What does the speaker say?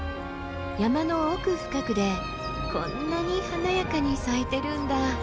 山の奥深くでこんなに華やかに咲いてるんだ。